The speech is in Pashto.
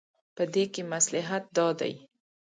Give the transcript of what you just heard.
په دې کې مصلحت دا دی.